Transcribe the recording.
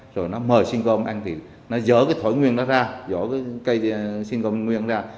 rồi nó mời xinh gôm anh thì nó dỡ cái thổi nguyên đó ra dỡ cái cây xinh gôm nguyên ra